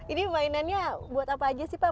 ini mainannya buat apa aja sih pak